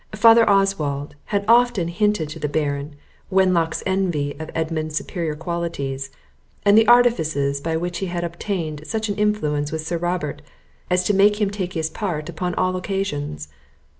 Father Oswald had often hinted to the Baron, Wenlock's envy of Edmund's superior qualities, and the artifices by which he had obtained such an influence with Sir Robert, as to make him take his part upon all occasions.